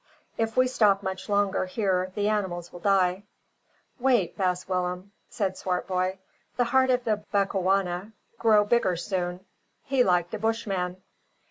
If we stop much longer here the animals will die." "Wait, baas Willem," said Swartboy; "the heart of the Bechuana grow bigger soon. He like de Bushman."